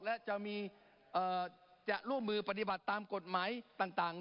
และจะร่วมมือปฏิบัติตามกฎหมายต่าง